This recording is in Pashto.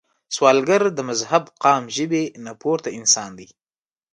سوالګر د مذهب، قام، ژبې نه پورته انسان دی